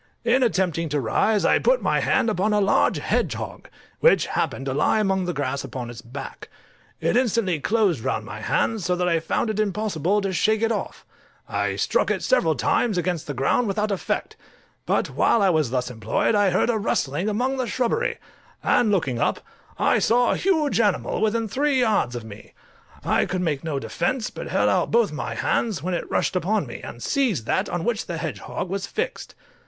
In attempting to rise I put my hand upon a large hedgehog, which happened to lie among the grass upon its back: it instantly closed round my hand, so that I found it impossible to shake it off. I struck it several times against the ground without effect; but while I was thus employed I heard a rustling among the shrubbery, and looking up, I saw a huge animal within three yards of me; I could make no defence, but held out both my hands, when it rushed upon me, and seized that on which the hedgehog was fixed.